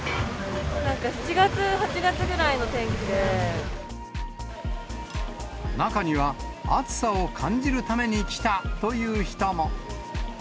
なんか７月、８月くら中には、暑さを感じるために来たという人も。